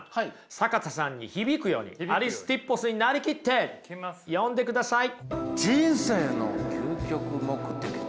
坂田さんに響くようにアリスティッポスに成りきって読んでください。